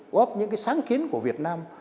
góp những cái sáng kiến của việt nam